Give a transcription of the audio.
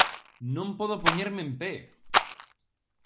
Non podo poñerme en pé!